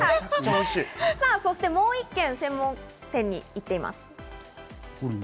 そしてもう１軒、専門店に行っています。